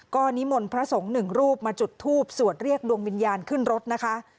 ก็นิมนต์พระสงฆ์หนึ่งรูปมาจุดทูบสวดเรียกดวงวิญญาณขึ้นรถนะคะ